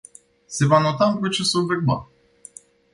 Se va nota în procesul verbal.